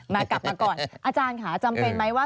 กลับมาก่อนอาจารย์ค่ะจำเป็นไหมว่า